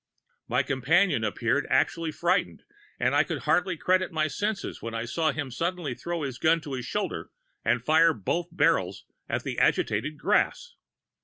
My companion appeared actually frightened, and I could hardly credit my senses when I saw him suddenly throw his gun to his shoulders and fire both barrels at the agitated grass!